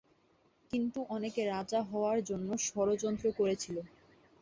কিন্তু অনেকে রাজা হওয়ার জন্য ষড়যন্ত্র করেছিল।